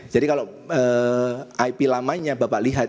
jadi kalau ip lamanya bapak lihat